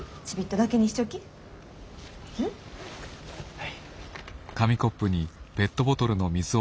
はい。